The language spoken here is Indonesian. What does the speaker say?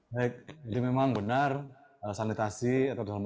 baik jadi memang benar sanitasi atau dalam